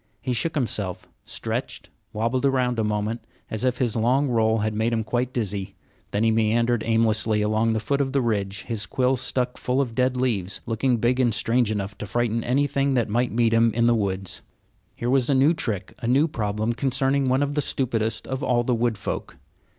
He shook himself, stretched, wobbled around a moment, as if his long roll had made him dizzy; then he meandered aimlessly along the foot of the ridge, his quills stuck full of dead leaves, looking big and strange enough to frighten anything that might meet him in the woods. Here was a new trick, a new problem concerning one of the stupidest of all the wood folk.